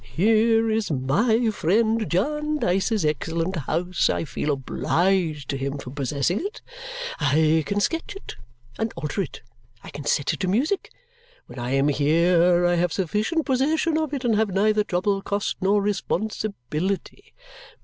Here is my friend Jarndyce's excellent house. I feel obliged to him for possessing it. I can sketch it and alter it. I can set it to music. When I am here, I have sufficient possession of it and have neither trouble, cost, nor responsibility.